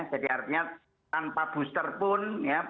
jadi artinya tanpa booster pun